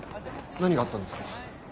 何があったんですか？